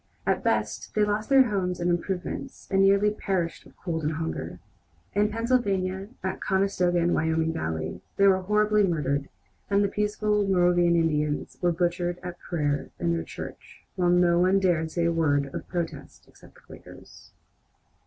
At best, they lost their homes and improvements, and nearly perished of cold and hunger. In Pennsylvania, at Conestoga and Wyoming Valley, they were horribly murdered, and the peaceful Moravian Indians were butchered at prayer in their church, while no one dared say a word of protest except the Quakers.